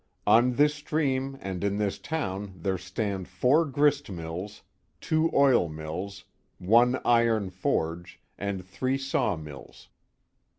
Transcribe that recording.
On this stream and in this town there stand 4 grist mills, 2 oil mills, one iron forge and 3 saw mills.